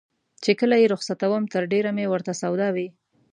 چې کله یې رخصتوم تر ډېره مې ورته سودا وي.